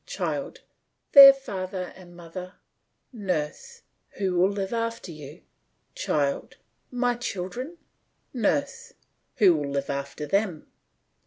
CHILD: Their father and mother. NURSE: Who will live after you? CHILD: My children. NURSE: Who will live after them?